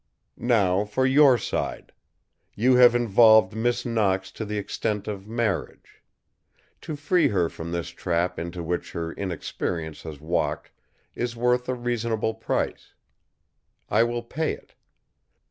"Now, for your side: you have involved Miss Knox to the extent of marriage. To free her from this trap into which her inexperience has walked is worth a reasonable price. I will pay it.